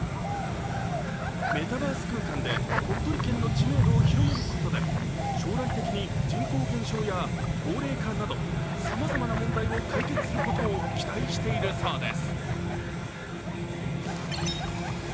メタバース空間で鳥取県の知名度を広めることで、将来的に人口減少や高齢化など、さまざまな問題を解決することを期待しているそうです。